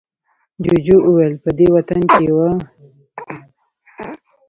جوجو وويل، په دې وطن کې پوه سړی ناپوه دی.